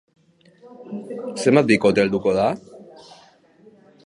Zenbat bikote helduko da?